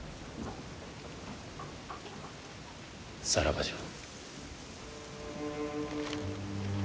さらばじゃ。